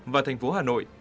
và thành phố hà nội